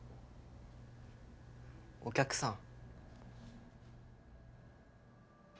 お客さん。